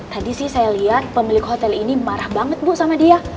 tadi sih saya lihat pemilik hotel ini marah banget bu sama dia